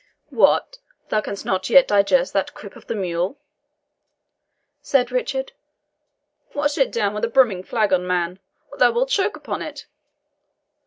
"What, thou canst not yet digest that quip of the mule?" said Richard. "Wash it down with a brimming flagon, man, or thou wilt choke upon it.